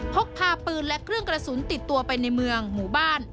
พกพาปืนและเครื่องกระสุนติดตัวไปในเมืองหมู่บ้าน